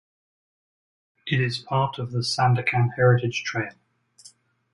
It is part of the Sandakan Heritage Trail.